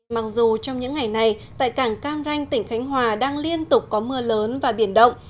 mặc dù trong những ngày này tại cảng cam ranh tỉnh khánh hòa đang liên tục có mưa lớn và biển động